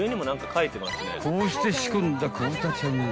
［こうして仕込んだ子豚ちゃんは］